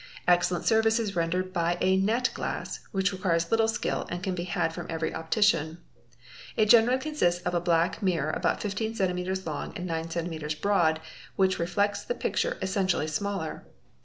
_ Excellent service is rendered by a net glass, which requires little skill . and can be had from every optician. It generally consists of a black ~ mirror about 15 cm long and 9 cm broad which reflects the picture essenti ally smaller.